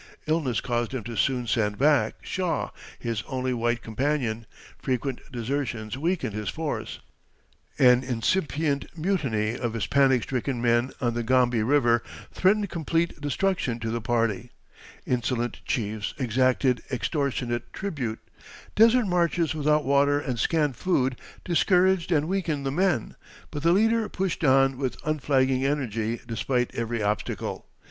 Illness caused him to soon send back Shaw, his only white companion; frequent desertions weakened his force; an incipient mutiny of his panic stricken men on the Gombe River threatened complete destruction to the party; insolent chiefs exacted extortionate tribute; desert marches without water and scant food discouraged and weakened the men; but the leader pushed on with unflagging energy despite every obstacle.